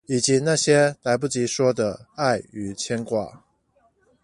以及那些來不及說的愛與牽掛